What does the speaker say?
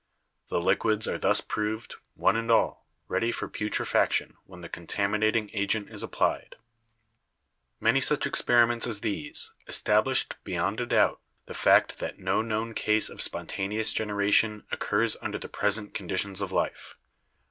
The liquids are thus proved, one and all, ready for putrefaction when the contaminating agent is applied." Many such experiments as these established beyond a doubt the fact that no known case of spontaneous genera tion occurs under the present conditions of life.